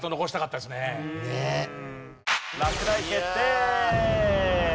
落第決定！